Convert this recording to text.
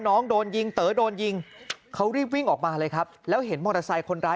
น้องโดนยิงเต๋อโดนยิงเขารีบวิ่งออกมาเลยครับแล้วเห็นมอเตอร์ไซค์คนร้าย